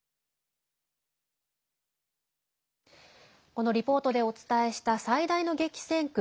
このリポートでお伝えした最大の激戦区